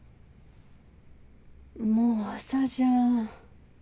もう朝じゃん。